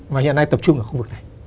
và hiện nay tập trung ở khu vực này